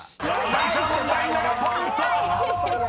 ［最初の問題７ポイント！］